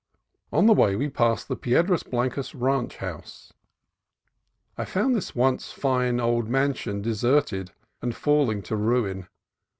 On the way we passed the Piedras Blancas Ranch House. I found this once fine old mansion deserted and falling to ruin.